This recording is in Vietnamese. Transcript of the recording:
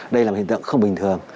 đây là một hình tượng không bình thường